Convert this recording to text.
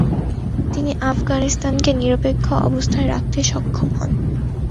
তিনি আফগানিস্তানকে নিরপেক্ষ অবস্থায় রাখতে সক্ষম হন।